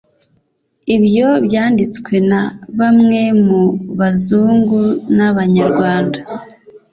ibyo byanditswe na bamwe mu bazungu n'abanyarwanda